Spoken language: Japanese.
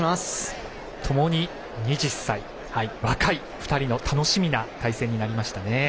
ともに２０歳若い２人の楽しみな対戦になりましたね。